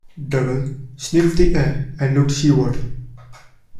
Dougal sniffed the air and looked seaward.